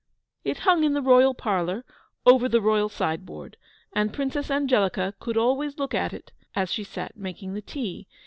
It hung in the royal parlour over the royal side board, and Princess Angelica could always look at it as she sat making the tea.